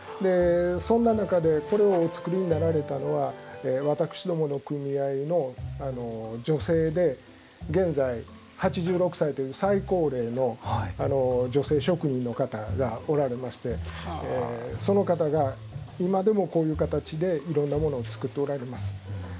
そんな中でこれをお作りになられたのは私どもの組合の女性で現在８６歳という最高齢の女性職人の方がおられましてその方が今でもこういう形でいろんなものを作っておられます。